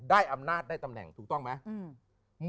ได้อำนาจได้ตำแหน่งถูกต้องไหม